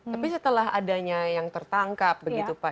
tapi setelah adanya yang tertangkap begitu pak